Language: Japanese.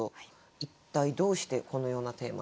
一体どうしてこのようなテーマに？